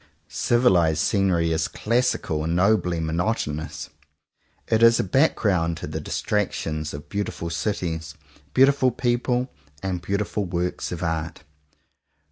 Civilized scenery is classical and nobly monotonous. It is a background to the distractions of beautiful cities, beautiful people, and beautiful works of art.